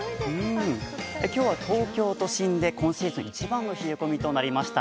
今日は東京都心で今シーズン一番の冷え込みとなりました。